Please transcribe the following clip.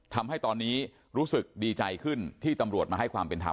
ทำให้ตอนนี้รู้สึกดีใจขึ้นที่ตำรวจมาให้ความเป็นธรรม